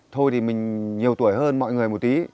thôi thì mình nhiều tuổi hơn mọi người một tí